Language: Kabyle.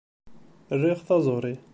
Riɣ taẓuri.